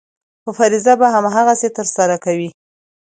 خو فریضه به هماغسې ترسره کوې.